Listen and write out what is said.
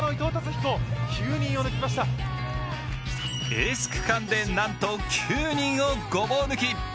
エース区間でなんと９人をごぼう抜き。